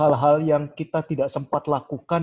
banyak sekali hal yang kita tidak sempat lakukan